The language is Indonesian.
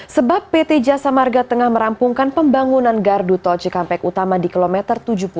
sebab pt jasa marga tengah merampungkan pembangunan gardu tol cikampek utama di kilometer tujuh puluh